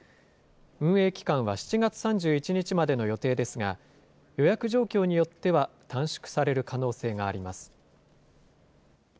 運営期間は７月３１日までの予定ですが、予約状況によっては短縮される可能性があります。